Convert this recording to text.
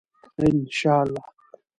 ان شاء الله.